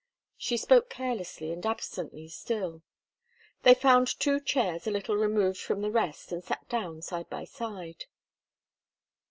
She spoke carelessly and absently still. They found two chairs a little removed from the rest, and sat down side by side.